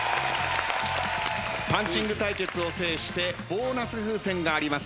パンチング対決を制してボーナス風船があります